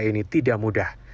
ini tidak mudah